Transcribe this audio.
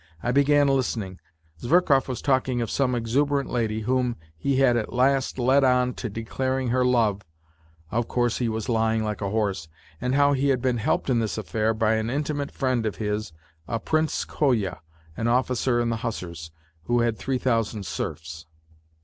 I began listening. Zverkov was talking of some exuberant lady whom he had at last led on to declaring her love (of course, he was lying like a horse), and how he had been helped in this affair by an intimate friend of his, a Prince Kolya, an officer in the hussars, who had three thousand serfs.